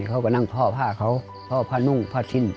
เขาก็นั่งบ่าบ่าเป้าบ่าหนุ่งบ่าชิ้น